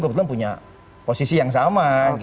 kebetulan punya posisi yang sama